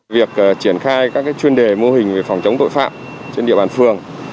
việc triển khai các chuyên đề mô hình về phòng chống tội phạm trên địa bàn phường